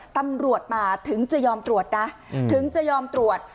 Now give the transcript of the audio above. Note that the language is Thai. ตำรวจมาถึงจะยอมตรวจนะถึงจะยอมตรวจ